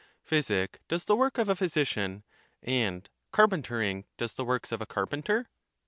Physic does the work of a physician, and carpentering does the works of a carpenter?